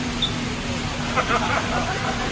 กลับไป